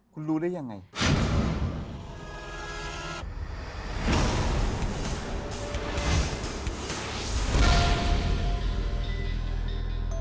คุณรู้ได้อย่างไร